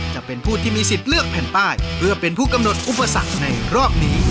จะเป็นผู้ที่มีสิทธิ์เลือกแผ่นป้ายเพื่อเป็นผู้กำหนดอุปสรรคในรอบนี้